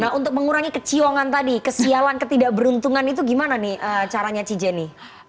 nah untuk mengurangi keciongan tadi kesialan ketidakberuntungan itu gimana nih caranya ci jenny